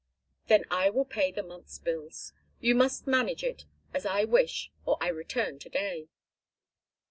"Then I will pay the month's bills. You must manage it as I wish or I return to day."